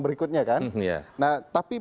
berikutnya kan nah tapi